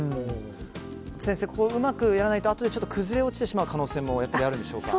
先生、うまくやらないとあとで崩れ落ちてしまう可能性も、やっぱりあるんでしょうか。